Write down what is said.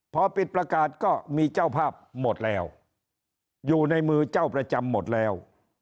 พอปิดประกาศก็มีเจ้าภาพหมดแล้วอยู่ในมือเจ้าประจำหมดแล้ว